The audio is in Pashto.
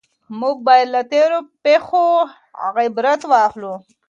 موږ بايد له تېرو پېښو عبرت واخلو.